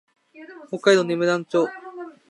北海道斜里町